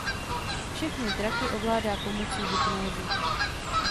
Všechny draky ovládá pomocí hypnózy.